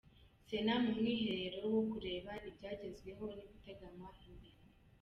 Sena mu mwiherero wo kureba ibyagezweho n’ibiteganywa imbere